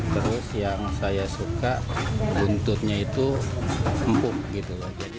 terus yang saya suka buntutnya itu empuk gitu loh